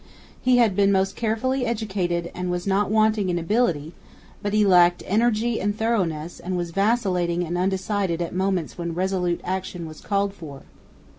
He had been most carefully educated, and was not wanting in ability, but he lacked energy and thoroughness, and was vacillating and undecided at moments when resolute action was called for.